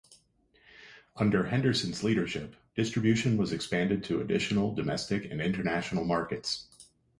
Under Henderson's leadership, distribution was expanded to additional domestic and international markets.